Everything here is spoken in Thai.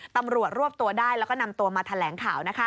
ตำรวจรวบตัวได้แล้วก็นำตัวมาแถลงข่าว